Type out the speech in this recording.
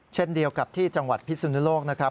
เช่นเดียวกับที่จังหวัดพิสุนุโลกนะครับ